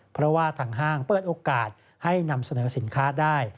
เพราะว่าทางห้างเปิดโอกาสให้นำเสนอสินค้าได้